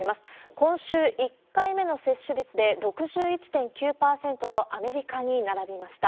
今週、１回目の接種率で６１．９％と、アメリカに並びました。